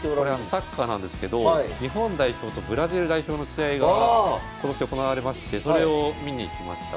サッカーなんですけど日本代表とブラジル代表の試合が今年行われましてそれを見に行きました。